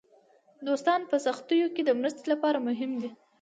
دوستان په سختیو کې د مرستې لپاره مهم دي.